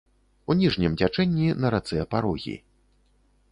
У ніжнім цячэнні на рацэ парогі.